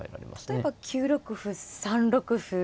例えば９六歩３六歩。